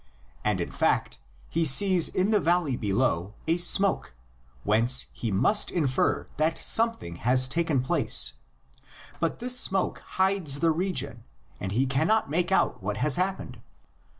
And in fact, he sees in the valley below a smoke, whence he must infer that something has taken place; but this smoke hides the region, and he cannot make out what has happened.